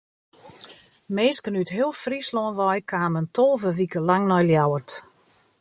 Minsken út heel Fryslân wei kamen tolve wiken lang nei Ljouwert.